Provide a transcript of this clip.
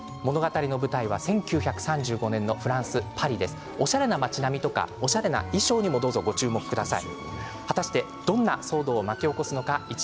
この映画の舞台は１９３５年のフランス・パリおしゃれな町並みとかおしゃれな衣装にもご注目ください。